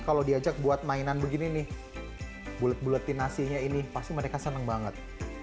kalau diajak buat mainan begini nih bulet buletin nasinya ini pasti mereka senang banget